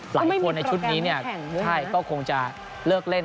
หลายคนในชุดนี้ก็คงจะเลิกเล่น